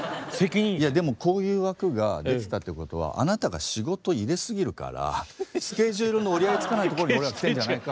いやでもこういう枠ができたってことはあなたが仕事入れ過ぎるからスケジュールの折り合いつかないところに俺ら来てるんじゃない？